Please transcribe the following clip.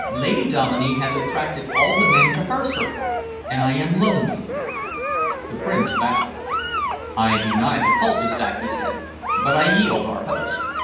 "Lady Dominey has attracted all the men to her circle, and I am lonely." The Prince bowed. "I deny the cul de sac," he said, "but I yield our host!